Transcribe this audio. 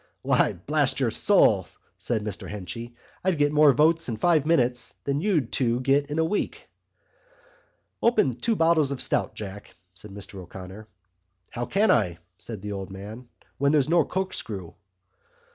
"Why, blast your soul," said Mr Henchy, "I'd get more votes in five minutes than you two'd get in a week." "Open two bottles of stout, Jack," said Mr O'Connor. "How can I?" said the old man, "when there's no corkscrew?"